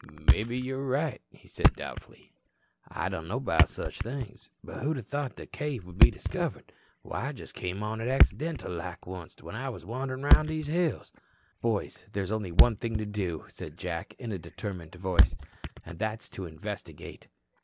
"Mebbe you're right," he said doubtfully. "I don't know 'bout such things. But who'da thought that cave would be discovered. Why, I just come on it accidental like onct when I was wanderin' through these hills." "Boys, there's only one thing to do," said Jack in a determined voice, "and that's to investigate."